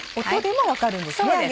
音でも分かるんですね